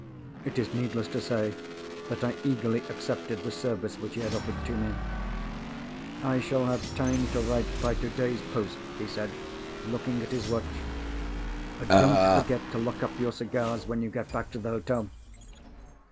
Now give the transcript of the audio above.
It is needless to say that I eagerly accepted the service which he had offered to me. "I shall have time to write by today's post," he said, looking at his watch. "Don't forget to lock up your cigars, when you get back to the hotel!